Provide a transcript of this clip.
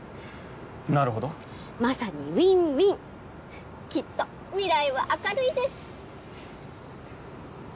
なるほどまさにウィンウィンきっと未来は明るいです